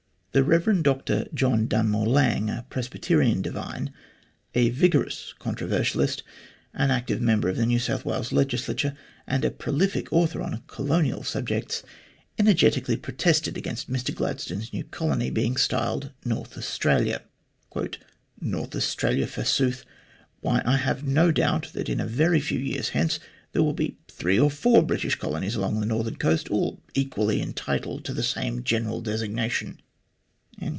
The Eev Dr John Dunmore Lang, a Presbyterian divine, a vigorous controversialist, an active member of the New South Wales Legislature, and a prolific author on colonial subjects, energetically protested against Mr Gladstone's new colony being styled North Australia. "North Australia, forsooth ! Why, I have no doubt that in a very few years hence there will be three or four British colonies along the northern coast, all equally entitled to the same general designation."